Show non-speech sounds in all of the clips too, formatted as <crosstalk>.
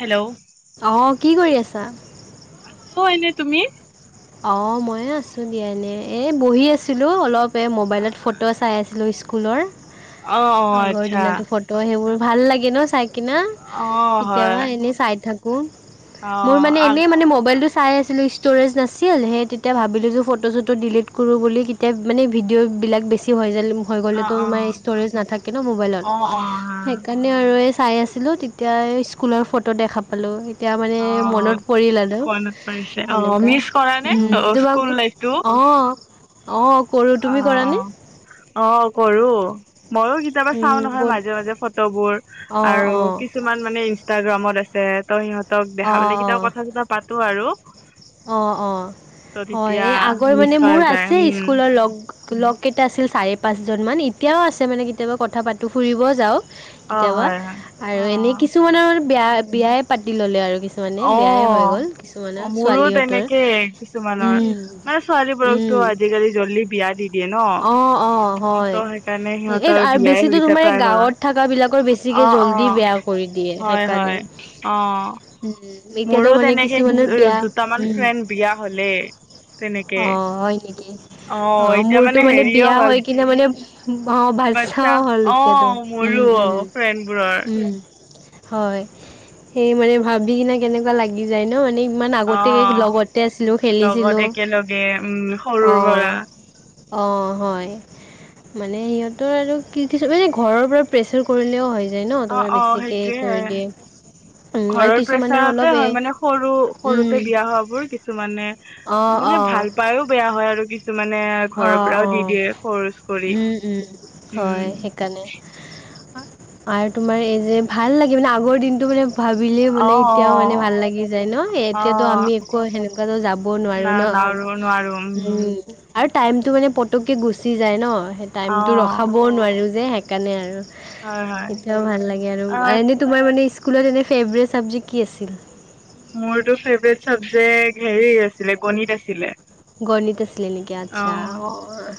Hello. অ কি কৰি আছা? মই এনে, তুমি? অ মইও আছো দিয়া এনে। এ বহি আছিলো অলপ এ মোবাইলত ফটো চাই আছিলো স্কু স্কুলৰ। অ অ আগৰ আচ্ছা দিনতো ফটো সেইবোৰ ভাল লাগে ন চাই কিনা? অ হয় কেতিয়াবা এনেই চাই থাক অ মোৰ মানে আ এনেই মানে মবাইলটো চাই আছিলো ষ্টৰেজ নাছিল ছিল। সেই তেতিয়া ভাবিলোঁ যে ফটো-চটো ডিলিট কৰোঁ বুলি কেতিয়া মানে ভিডিঅ'বিলাক বেছি হৈ যায় হৈ গলে অ তোৰ অ মানে ষ্টোৰেজ নাথাকে ন মোবাইলত অ অ হা সেই এনে আৰু চাই আছিলো তেতিয়া স্কুলৰ ফটো দেখা পালো। এতিয়া মানে অ মনত পৰিলা আৰু মনত পৰিছে অ সেনেকুৱা। মিচ কৰা নে উ তোমাক স্কুল লাইফটো অ অ কৰ অ অ কৰো মইও কেতিয়াবা চাও উম নহয় বহুত মাজে মাজে ফটো ফোটবোৰ অঁ আৰু অঁ কিছুমান মানে ইনষ্টাগ্ৰামত আছে ত সিহত তোক দেখা অঁ পালে কেতিয়াবা কথা-চথা পাতো আৰু। অ অ ত হয় তেতিয়া এই আগৰ মিচ মানে কৰা মোৰ যায় আছে উম স্কুলৰ লগ লগকেইটা আছিল চাৰি পাঁচজন মান, এতিয়াও আছে মানে কেতিয়াবা কথা পাতো ফুৰিব যাওঁ। অ কেতিয়াবা। হয় হয় আৰু অ এনেই কিছুমানৰ মানে বিয়া বিয়াই পাতি ললে আৰু কি মানে বেয়াই হৈ অ', গ'ল কিছুমানৰ। অ' মোৰো ছোৱালীহঁতৰ তেনেকেই কিছুমানৰ, উম মানে ছোৱালীবোৰকতো উম আজিকালি জল্লি বিয়া দি দিয়ে ন অ অ হয়। ত' সেইকাৰণে এই সিহঁতৰ আৰু বিয়াই বেছি হৈ তোৰ গৈছে এই প্ৰায় ভাগৰ গাঁৱত থকা বিলাকৰ বেছিকে অ', জল্দি অ', বেয়া কৰি দিয়ে হয়, সেইকাৰণে। হয় অ', উ মোৰো এতিয়াতো মানে তেনেকে কিছু কিছুমানৰ বেয়া, দুটামান উম ফ্ৰেণ্ড বিয়া হ'লে তেনেকে অ, হয় নেকি? অ, এতিয়া মোৰতো মানে হেৰিও বিয়া হ'ল হৈ কিনে মানে অ, বাচ্ছা বাচ্ছাও হ'ল এতিয়া তোৰ, অ', উম, মোৰো উম, ফ্ৰেণ্ডবোৰৰ উম। হয় সেই মানে ভাবি ন কেনেকুৱা লাগি যায় ন ইমান আগতে অ', লগতে আছিলোঁ লগত খেলিছিলোঁ, একেলগে উম সৰুৰ অঁ। পৰা অঁ, হয়। মানে সিহঁতৰ আৰু কি কি মানে ঘৰৰ পৰা প্ৰেছাৰ কৰিলেও হয়। ন অ', তোমাৰ অ', বেছিকে কৰি সেইটোয়ে দিয়ে। উম, আৰু ঘৰৰ কিছুমানৰ প্ৰেছাৰতে অলপ এ হয় মানে সৰু সৰুতে বিয়া হোৱা বোৰ কিছুমানে। অঁ মানে অঁ ভাল পাইও বেয়া হয় আৰু কিছুমানে অ, ঘৰৰ পৰাও অ, দি দিয়ে ফৰ্চ কৰি উম, উম, হয় উম। সেইকাৰণে আৰু তোমাৰ এই যে ভাল লাগে মানে আগৰ দিনটো মানে ভাবিলে অ', মানে এতিয়াও মানে অ', ভাল লাগি যায় ন, এতিয়াতো অ'। আমি একো সেনেকুৱাতো যাবও নোৱাৰো ন। আৰু নোৱাৰো উম। আৰু টাইমটো মানে পটককৈ গুচি যায় ন সেই টাইমটো অ'। ৰখাবও নোৱাৰোঁ যে সেইকাৰণে আৰু। হয়, হয় এতিয়াও ভাল লাগে আৰু অ', এনে তোমাৰ মানে স্কুলত এনে ফেভৰেট চাবজেক্ট কি আছিল? মোৰটো ফেভৰেট চাবজেক্ট হেৰি আছিলে গণিত আছিলে। গণিত আছিলে নেকি আচ্ছা অ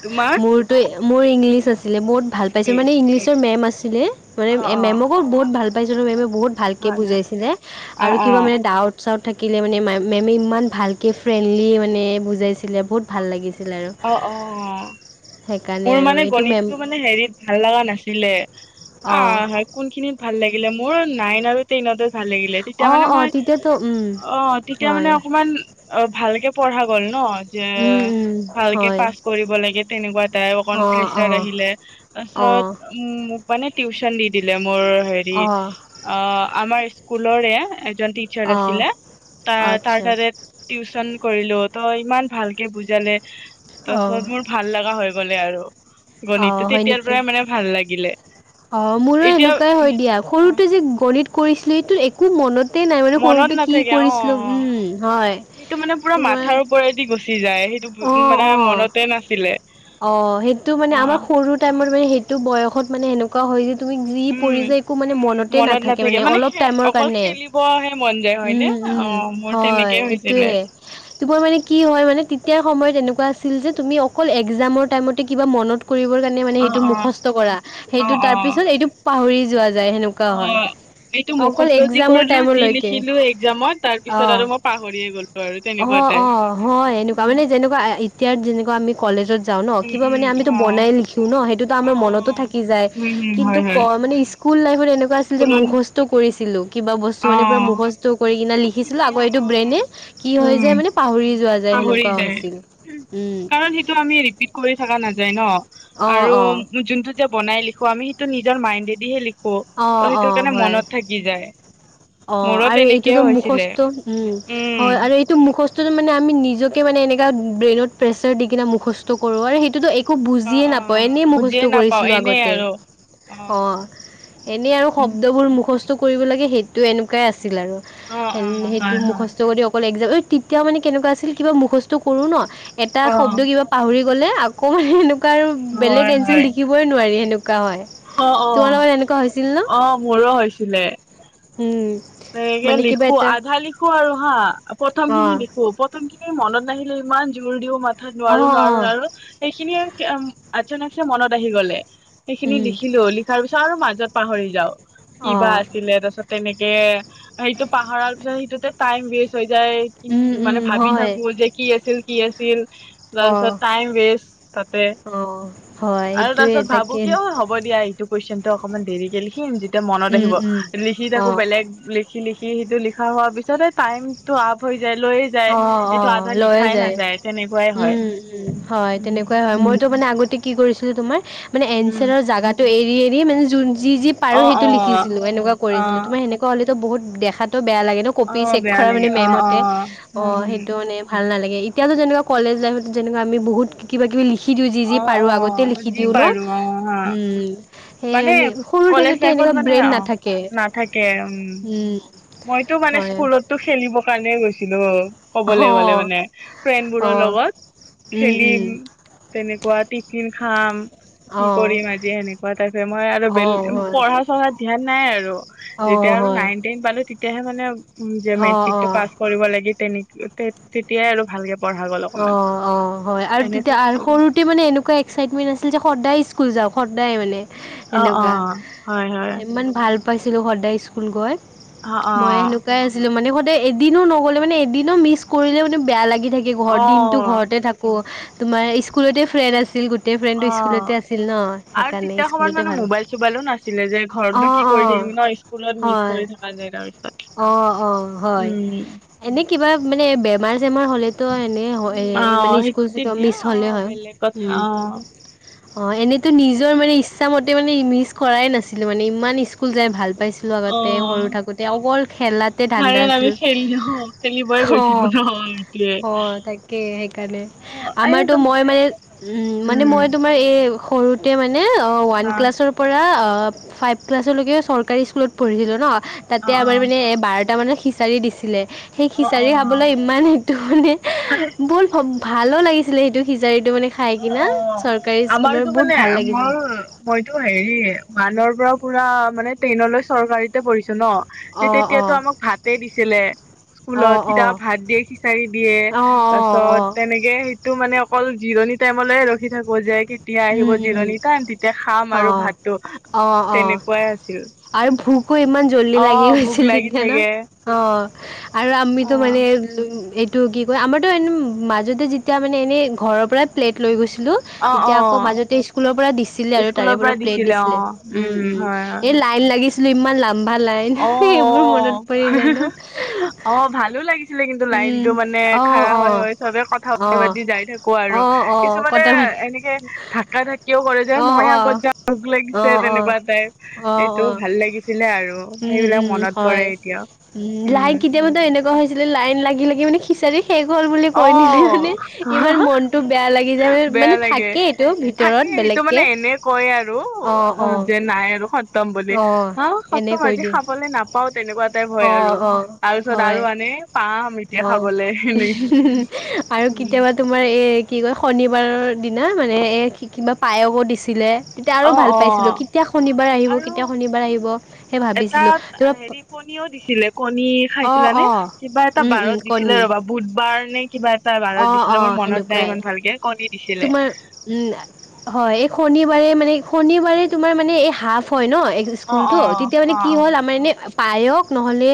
তোমাৰ? মোৰতো মোৰ ইংলিছ আছিলে বহুত ভাল পাইছোঁ মানে ইংলিছৰ মেম আছিলে মানে অ', অ', মেমকো বহুত ভাল পাইছিলো মেমে বহুত ভালকে হয়, হয় বুজাইছিলে আৰু অ', কিবা অ', মানে ডাউট চাউত থাকিলে মানে মে মেমে ইমান ভালকৈ ফ্ৰেণ্ডলি মানে বুজাইছিলে বহুত ভাল লাগিছিল আৰু। অ, অঁ, সেইকাৰণে মোৰ আৰু মানে এইটো মেম গণিতটো মানে হেৰিত ভাল লগা নাছিলে, অঁ আহ হয় কোন খিনিত ভাল লাগিলে মোৰ নাইন আৰু টেনতে ভাল লাগিলে, তেতিয়া অঁ মানে অঁ মই তেতিয়াতো উম, অ তেতিয়া হয় মানে অকমান অ, ভালকে পঢ়া গ'ল ন যে উম উম, ভালকে হয় পাছ কৰিব লাগে তেনেকুৱা এটাই অকণ অঁ প্ৰেচাৰ অঁ আহিলে অঁ তাৰপিছত মানে টিউচন দি দিলে মোৰ হেৰি অঁ, আমাৰ স্কুলৰে এজন টিচাৰ অঁ আছিলে তা তাৰ আচ্ছা তাতে টিউচন কৰিলো ত' ইমান ভালকে বুজালে তাৰ অঁ পিছত মোৰ ভাল লগা হৈ গলে আৰু অঁ গণিতটো হয় তেতিয়াৰ নেকি পৰাই মানে ভাল লাগিলে। অঁ, মোৰো এতিয়া এনেকুৱাই হয় দিয়া, অ সৰুতে যে গণিত কৰিছিলো সেইটো একো মনত তে নাই মানে মনত সৰুতে কি নাথাকে অ কৰিছিলো অ উম হয় সেইটো মানে পুৰা তোমাৰ মাথাৰ ওপৰেদি গুচি যায় সেইটো অঁ মানে অঁ মনতে নাছিলে। অঁ, সেইটো মানে অ আমাৰ সৰু টাইমত মানে সেইটো বয়সত মানে সেনে ক হয় যে তুমি যি পৰিছা উম একো মানে মনতে মনত নাথাকে মানে অলপ সে টাইমৰ অকল কাৰণে। খেলিবহে মন যায় হয়নে উম, উম, অ মোৰ হয় তেনেকে হৈছিলে এইটোৱে। তোমাৰ মানে কি হয় মানে তেতিয়াৰ সময়ত এনেকুৱা আছিল যে তুমি অকল এক এক্সামৰ টাইমতে কিবা মনত কৰিবৰ কাৰণে মানে অ সেইটো অ মুখস্থ কৰা, অ সেইটো অ তাৰপিছত এইটো পাহৰি যোৱা যায় সেনেকুৱা অ হয়। এইটো অকল মুখস্থ যি এক্সামৰ কৰিলো যি টাইমলৈকে লিখিলো এক্সামত তাৰ পিছত অ'। আৰু মই পাহৰিয়ে গলো। আৰু অ, তেনেকুৱা অ, টাইপ হয় এনেকুৱা উম মানে যেনেকুৱা এতিয়া যেনেকুৱা আমি কলেজত যাওঁ ন, উম কিবা মানে উম আমিটো অ বনাই লিখিম ন, সেইটোতো অ আমাৰ অ মনতো থাকি যায় উম উম কিন্তু হয় ক হয় মানে ইছ কুল লাইফত এনেকুৱা যে স্কুলত মুখস্থ কৰিছিলো কিবা বস্তু অ মানে পুৰা মুখস্থ কৰি কিনে আৰু লিখিছিলো আকৌ তেতিয়া এইটো অ ব্ৰেইনে কি হয় উম যে মানে পাহৰি যোৱা যা পাহৰি যায়, কাৰণ সেইটো আমি কৰি থকা নাযায় ন অ', অ', আৰু যোনটো যে বনাই লিখো আমি সেইটো নিজৰ মাইণ্ডেদিহে লিখো অ', ত সেইটোৰ অ', কাৰণে হয়। মনত থাকি যায়। অ মোৰো আৰু তেনেকেই এইটোতো হৈছিলে মুখস্থ উম উম হয় আৰু এই টো মুখস্থটো মানে আমি নিজকে মানে এনেকা ব্ৰেইনত প্ৰেচাৰ দি কিনে মুখস্থ কৰো আৰু সেইটোটো এক একো অ বুজিয়ে অ নাপাওঁ এনেই মুখস্থ বুজিয়ে নাপাও কৰিছিলো এনেই আগতে আৰু অ। এনেই আৰু শব্দবোৰ মুখস্থ কৰিব লাগে সেইটো এনেকুৱাই আছিল আৰু অ অ হয় সেইটো হয় মুখস্থ কৰি অকল একজাম তেতিয়া মানে কেনেকুৱা আছিল কিবা মুখস্থ কৰো ন এটা অ শব্দ কিবা পাহৰি গ'লে আকৌ সেনেকু ৱা আৰু বেলেগ হয় এঞ্চাৰ হয় লিখিবই নোৱাৰি সেনেকুৱা হয়। অ অ তোমালোকৰ এনেকুৱা হৈছিল ন অ মোৰো হৈছিলে। উম। তেনেকে মানে কিবা লিখো এটা আধা লিখো আৰু হা প্ৰথম খিনি অ লিখো প্ৰ প্ৰথমখিনি মনত নাহিলে ইমান জোৰ দিও মাথাত অ', নোৱাৰো নোৱাৰো অ', নোৱাৰো সেইখিনি আৰু উম আচানকচে মনত আহি গ'লে সেইখিনি উম, লিখিলো লি তাৰপিছত আৰু মাজত পাহৰি যাও কিবা অ', আছিলে তাৰপিছত তেনেকে কে সেইটো পাহৰাৰ পিছত সেইটোতে টাইম ৱেষ্ট হৈ উম, যায় মানে উম, ভাবি হয়। থাকো যে কি আছিল কি আছিল তাৰপিছত অ', টাইম ৱেষ্ট তাতে অ', হয় আৰু সেইটোয়ে তাৰপিছত ভাবো তাকে, কিয় হ'ব হ'ব দিয়া এইটো কুৱেশনটো অকমান দেৰিকে লিখিম যেতিয়া মনত উম, আহিব উম, লিখি থা অ'। কোতে লিখি লিখি সেইটো লিখা হোৱাৰ পিছতে টাইমটো আপ হৈ যায়, লৈয়ে যায় অ', এইটো অ', আধা লৈয়ে লিখাই যায়, নাযায় তেনেকুৱাই হয়। উম, উম, হয় উম তেনেকুৱাই হয় মইটো মানে আগতে কি কৰিছিলো তোমাৰ মানে উম এঞ্চাৰৰ জাগাটো এৰি এৰি মানে যোন যি যি পাৰো অ সেইটো অ লিখিছিলো এনেকুৱা অ কৰিছিলো তোমাৰ সেনেকুৱা হ'লেটো বহুত দেখাটো বেয়া লাগে ন অ কপি চেক বেয়া কৰা লাগে মানে অ অ মেমহতে অ উম সেইটো মানে ভাল নালাগে এতিয়াটো যেনেকুৱা কলেজ লাইফত যেনেকুৱা আমি বহুত কিবা-কিবি লি লিখি দিওঁ যি যি হম পাৰো অ আগতেই অ লিখি যি দিওঁ ন পাৰো অ হা উম সেই মানে সৰু কলেজ থাকোতে লাইফত এনেকুৱা মানে ব্ৰেইন অ নাথাকে উম। মইটো মানে হয়। স্কুলতটো খেলিব কাৰণে গৈছিলো। ক'বলে গ'লে অ', মানে ফ্ৰেণ্ডবোৰৰ অ', লগত উম, উম, খেলিম, তেনেকুৱা টিফিন খাম কি অ', কৰিম আজি সেনেকুৱা টাইপে মই আৰু অ', বেলে হয়। পঢ়া-চঢ়াত ধ্যান নাই আৰু। যেতিয়া অ', আৰু হয়, নাইন, টেন পালো তেতিয়াহে মানে উম যে অ', মেট্ৰিকটো অ', পাছ কৰিব লাগে তেনেক তেতিয়াই আৰু ভালকে পঢ়া গ'ল অ অকমান অ হয় আৰু এনেতো তেতিয়া আৰু স্কুল সৰু তে মানে এনেকুৱা এক্সাইটমেণ্ট আছিল যে সদায় স্কুল যাওঁ সদায় মানে। অ অ সেনেকুৱা হয় হয় ইমান ভাল পাইছিলো সদায় স্কুল গৈ অ অ মই সেনেকুৱাই আ ছিলো মানে সদায় এদিনো নগ'লে মানে, এদিনো মিছ কৰিলে মানে বেয়া লাগি থাকে ঘৰত অ দিনটো ঘৰতে থাকো কো তোমাৰ স্কুলতে ফ্ৰেণ্ড আছিল গোটে গোটেই ফ্ৰেণ্ড অ স্কুলতে আছিল ন আৰু সেইকাৰণে তেতিয়া সময়ত স্কুলতে মানে ভাল। মোবাইল চোবাইলো নাছিলে যে অ ঘৰতনো কি অ কৰি থাকিম তে ন স্কুলত মিছ হয় কৰি থকা যায় তাৰপিছত অ অ হয়। উম এনে কিবা মানে বেমাৰ-চেমাৰ হ'লে টো এনেই হয়। উম, অ' মানে সেই স্কুল যেতিয়া তেতিয়া মিছ হ'লে অ' হয় বেলেগ কথা উম। অ'। অ এনেইটো নিজৰ মানে, ইচ্ছা মতে মানে মিছ কৰাই নাছিলো মানে ইমান স্কুল যাই ভাল পাইছি লো অ' আগতে সৰু থাকোতে, অকল খেলাতে ধান্দা কাৰণ আমি খেলি অ' খেলিবই আছিল অ। গৈছিলো ন সেইটোৱে। অ তাকে সেইকাৰণে অ' এই আমাৰটো তুম মই মানে উম মানে মইটো তোমাৰ এই সৰুতে মানে, অ ওৱান ক্লাছৰ পৰা অ ফাইভ ক্লাছৰলৈকে চৰকাৰী স্কুলত পঢ়িছিলো ন তাতে অ' আমাৰ মানে এ বাৰ দুটামানত খিচাৰি দিছিলে। সেই অ' অ' খিচাৰি খাবলৈ ইমান সেইটো মানে অ'। বহুত ভ ভালো লাগিছিলে, সেইটো খিজাৰিটো মানে খাই অ', কিনা অ'। চৰকাৰী স্কুলৰ বহুত ভাল লাগিছিলে। মইটো হেৰি, ওৱানৰ পৰা পুৰা মানে টেনলৈ চৰকাৰীতে পঢ়িছো ন। অ' তেতিয়াতো অ' আমাক ভাতে দিছিলে। স্কুলত অ' কেতিয়াবা, অ' ভাত দিয়ে, খিচাৰি দিয়ে। অ' অ' অ' তাৰপিছত তেনেকে তো, মানে অকল জিৰণি টাইমলে ৰখি থাকো যে, কে কেতিয়া উম, আহিব উম, জিৰণি টাইম, তেতিয়া খাম আৰু অ' ভাত টো। অ' অ' তেনেকুৱাই আছিল। আৰু ভোকো ইমান জল্দি লাগি অ', ভোক গৈছিল লাগি তেতিয়া ন! থাকে অ'! আৰু আমিতো অ', মানে <unintelligible> এইটো কি কয়, আমাৰতো এনে মাজতে যেতিয়া মানে, এনেই ঘৰৰ পৰাই প্লেট লৈ গৈছিলোঁ। অ', তেতিয়া আকৌ অ'। মাজতে স্কুলৰ পৰা দিছিলে আৰু তাৰে স্কুলৰ পৰা প্লেট দিছিলে। অ', উম, উম, হয়, হয়, এই লাইন লাগিছিলোঁ। ইমান লাম্ভা লাইন। সেইবোৰ মনত অ' পৰি যায় ন অ' অ' ভালো লাগিছিল। আছিলে কিন্তু, লাইন উম টো মানে, অ খাৰা অ হয় হয় চবে কথা অ পাতি যাই থাকো আৰু। অ অ কিছুমানে কটাবালি এনে <unintelligible> ঢাকা ঢাকিও কৰে যে, অ মই অ আগত যাওঁ ভোক অ লাগিছে অ তেনেকুৱা টাইপ। অ সেইটো অ ভাল লাগিছ ছিলে আৰু। উম, সেইবিলাক উম, মনত পৰে হয়। এতিয়া উম, লাইন কেতিয়াবাতে এনেকুৱা হৈছিলে, লাইন লাগি লাগি মানে খিচাৰি শেষ হ'ল বুলি অ কৈ দিলে মানে, ইমান মনতটো বেয়া লাগি যায়। মানে, বেয়া মানে লাগে থাকেই এইটো। ভিত থাকে সেইটো মানে এনে কয় আৰু অঁ অ' অঁ যে নাই আৰু সতম বুলি। অঁ অ' এনে সতম টো কৈ আজি দিয়ে খাবলৈ নাপাওঁ তেনেকুৱা এটা ভয় অঁ আৰু। অঁ তাৰপিছত হয় আৰু আনে, পাম এতিয়া অঁ খাবলৈ এনে। আৰু কেতিয়াবা তোমাৰ এই কি কয়, শনিবাৰৰ দিনা মানে, এই কিবা পায়সো দিছিলে। তেতিয়া আৰু অ ভাল অ পাইছিলোঁ। কেতিয়া শনিবাৰ আহিব, কেতিয়া শনিবাৰ আহিব। সেই ভাবিছিলোঁ এটাত তোমাৰ হেৰি কণীও দিছিলে। কণী অঁ খাইছিল নে? অঁ কিবা এটা বাৰত দিছিলে কণী ৰ'বা। বুধবাৰ নে কিবা এটা বাৰত অঁ দিছিলে, অঁ মোৰ মনত নাই সেনেকুৱাই ইমান ভালকে, কণী দিছিলে। তোমাৰ উম, হয়। এই শনিবাৰে মানে, শনিবাৰে তোমাৰ মানে এই হাফ হয় ন! এক অ অ স্কুলতো, তেতিয়া মানে অ কি হ'ল, আমাৰ এনে পায়খ নহ'লে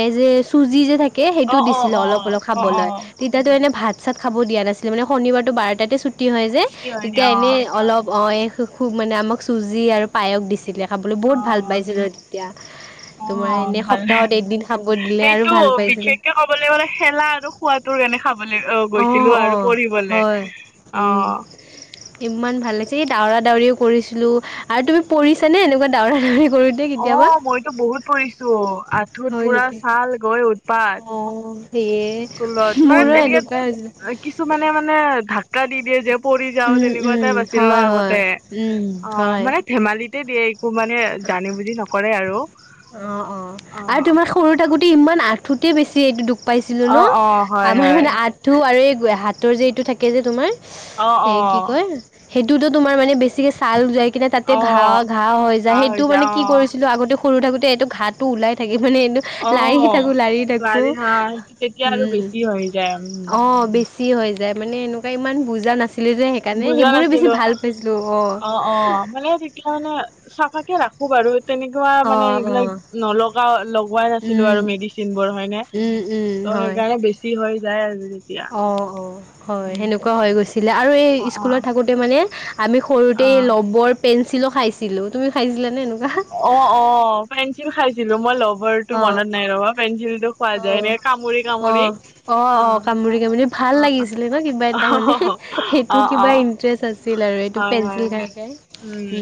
এৰ যে, চুজি যে থাকে কে অ সেইটো অ দিছিলে অলপ অলপ অ অ খাবলৈ। তেতিয়াতো এনে ভাত চাত খাব দিয়া নাছিলে মানে শনিবাৰটো বাৰটাতে ছুটি হয় অ যে, ছুটি হয় তেতিয়া দিয়া এনেই অ অলপ অ' খুব মানে আমাক চুজি আৰু পায়স দিছিলে। খাবলৈ অ বহুত ভাল পাইছিলোঁ তেতিয়া। অ তোমাৰ এনে ভাল সপ্তাহত এদিন খাব দিলে আৰু সেইটো ভাল পাইছিলে। বিশেষকে ক'বলৈ গ'লে খেলা আৰু খোৱাদ। তোৰ এনে খাবলৈ অ' গৈছিলোঁ আৰু পঢ়িবলৈ হয় উম অ'। ইমান ভাল লাগিছে। এই দউৰা দউৰিও কৰিছিলোঁ। আৰু তুমি পৰিছা নে! এনেকুৱা দাৱৰা দাউৰি কৰি অ' মইতো বহুত পৰিছোঁ। আঁঠুত হয় পোৰা নেকি ছাল গৈ উৎপাত। অ' সেয়ে। স্কুলত। মানে মোৰো এনেকে, এনেকুৱাই হৈছিলে কিছুমানে মানে ধাক্কা দি দিয়ে যে পৰি যাওঁ, উম তেনেকুৱা উম এটাই বা আছিল ন হয় হয় আগতে উম অ, হয় মানে ধেমালি সেই দিয়ে, একো মানে জানি বুজি নকৰে আৰু। অ' অ' আৰু তোমাৰ সৰু থাকোঁতে ইমান আঁঠতে বেছি এইটো দোষ পাইছিলোঁ অ ন, অ হয় আমাৰ হয় মানে আ টো, আৰু এই হাতৰ যে এইটো থাকে যে তোমাৰ অ অ সেই কি কয় সেইটোতো তোমাৰ মানে বেছিকে ছাল যাই কিনে তাতে অ ঘা, ঘা হৈ যায়। সেইটোও মানে কি কৰিছিলোঁ আগতে সৰু থাকোতে এইটো ঘাতটো ওলাই থাকে, মানে এনেও অ লাৰি অ থাকো, লাৰি থাকো, বাৰি হা সেইটো তেতিয়া আৰু উম, বেছি হৈ যায় অ' উম বেছি। বেছি হৈ যায় মানে এনেকুৱা ইমান বুজা নাছিলোঁ যে। সেইকাৰণে বুজা সেইবোৰে বেছি ভাল পাইছিলোঁ অ'। অকলে ঠিক। তেতিয়া মানে চাফাকে ৰাখো বাৰু। তেনেকুৱা মানে অ', এইবিলাক অ', নলগাওঁ লগাই নাছিলোঁ উম, আৰু মেডিচিন বোৰ হয়নে? উম, উম, হয়। যি, হৈ যায় আৰু যেতিয়া। অ', অ' হয় সেনেকুৱা হৈ গৈছিলে আৰু অ', এই স্কুলত অ'। থাকোতে মানে আমি সৰুতে অ', লবৰ পেঞ্চিলো খাইছিলো, তুমি খাইছিলা নে এনেকুৱা? অ', অ'। ঞ্চিল খাইছিলো মই লবৰ টো অ', মনত নাই ৰ'বা, পেঞ্চিল টো খোৱা যায় অ', এনেকে কামুৰি কামুৰি। অ', অ', অ' কামুৰি কামুৰি ভাল লাগিছিলে ন কিবা এটা মানে অ', সেইটো অ', কিবা অ', ইণ্টাৰেষ্ট আছে। আছিল আৰু এইটো হয়, হয়, পেঞ্চিল খাই হয়, খাই। উম।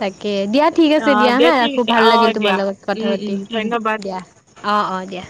তাকে দিয়া ঠিক আছে অ', দিয়া হা ঠিক ৰাখো আছে ভাল লাগিল অ', তোমাৰ দিয়া লগত কথা উম, পাতি। উম, উম, ধন্যবাদ। দিয়া, অঁ, অঁ দিয়া।